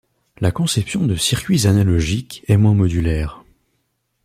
La conception de circuits analogiques est moins modulaire.